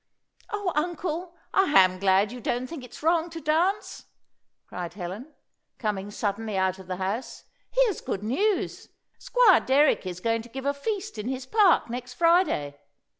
"O Uncle, I am glad you don't think it's wrong to dance!" cried Helen, coming suddenly out of the house. "Here's good news! Squire Derrick is going to give a feast in his park next Friday.